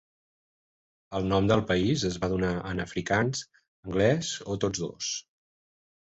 El nom del país es va donar en afrikaans, anglès o tots dos.